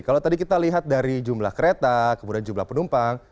kalau tadi kita lihat dari jumlah kereta kemudian jumlah penumpang